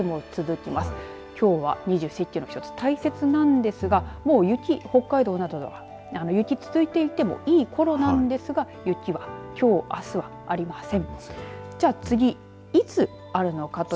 きょうは二十四節気の一つ大雪なんですがもう雪、北海道などでは雪が続いていてもいいころなんですが雪はきょうあすはありません。